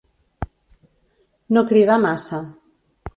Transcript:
No cridar massa.